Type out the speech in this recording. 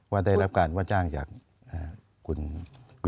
ว่าได้รับการว่าจ้างจากคุณวิรัติ